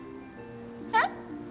えっ？